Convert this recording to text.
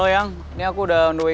jangan komen deh